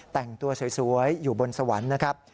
แต่งตัวสวยอยู่บนสวรรค์นะครับ